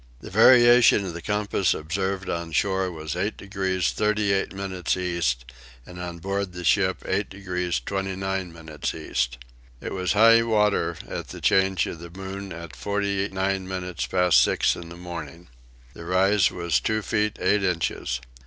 The variation of the compass observed on shore was 8 degrees 38 minutes east; and on board the ship 8 degrees 29 minutes east. It was high water at the change of the moon at 49 minutes past six in the morning. The rise was two feet eight inches.